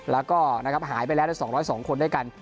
แล้วก็หายไปแล้วใน๒๐๒คนด้วยกัน